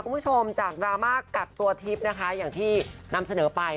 คุณผู้ชมจากดราม่ากักตัวทิพย์นะคะอย่างที่นำเสนอไป